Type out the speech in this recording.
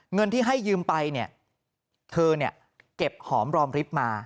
เงินที่ให้ยืมไปเธอเก็บหอมรอบลิฟต์มา